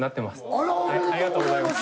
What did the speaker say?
ありがとうございます。